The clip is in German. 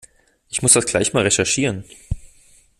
Ich muss das gleich mal recherchieren.